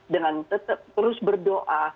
dengan tetap terus berdoa